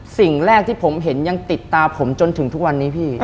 สิ่งแรกที่ผมเห็นยังติดตาผมจนถึงทุกวันนี้พี่